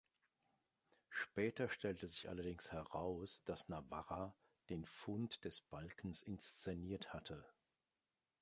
Später stellte sich allerdings heraus, dass Navarra den Fund des Balkens inszeniert hatte.